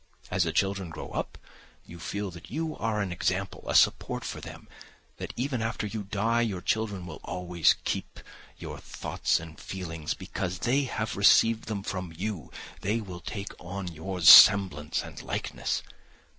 As the children grow up you feel that you are an example, a support for them; that even after you die your children will always keep your thoughts and feelings, because they have received them from you, they will take on your semblance and likeness.